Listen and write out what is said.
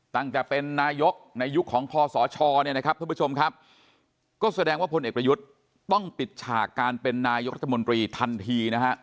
ตั้งแต่เป็นนายกในยุคของคอสชเนี่ยนะครับท่านผู้ชมครับก็แสดงว่าพลเอกประยุทธ์ต้องปิดฉากการเป็นนายกรัฐมนตรีทันทีนะฮะ